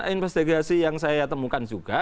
investigasi yang saya temukan juga